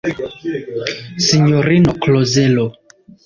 Sinjorino Klozelo!